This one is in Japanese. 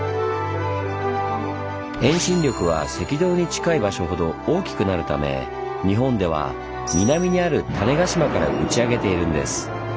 遠心力は赤道に近い場所ほど大きくなるため日本では南にある種子島から打ち上げているんです。